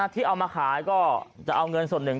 ที่เอามาขายก็จะเอาเงินส่วนหนึ่ง